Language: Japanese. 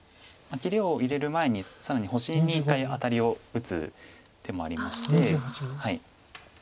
切りを入れる前に更に星に一回アタリを打つ手もありまして。